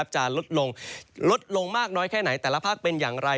จะลดลงลดลงมากน้อยแค่ไหนแต่ละภาคเป็นอย่างไร